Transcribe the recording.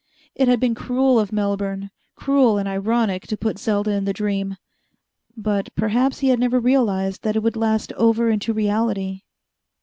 It had been cruel of Melbourne, cruel and ironic, to put Selda in the dream. But perhaps he had never realized that it would last over into reality.